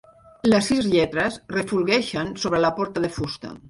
Les sis lletres refulgeixen sobre la porta de fusta.